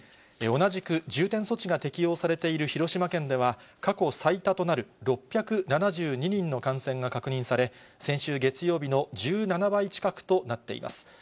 同じく重点措置が適用されている広島県では、過去最多となる６７２人の感染が確認され、先週月曜日の１７倍近くとなっています。